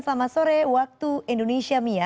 selamat sore waktu indonesia mia